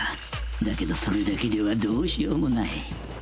だけどそれだけではどうしようもない。